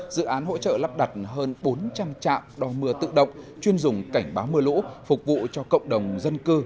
dự án hỗ trợ lắp đặt hơn bốn trăm linh trạm đo mưa tự động chuyên dùng cảnh báo mưa lũ phục vụ cho cộng đồng dân cư